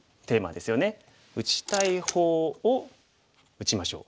「打ちたい方を打ちましょう」。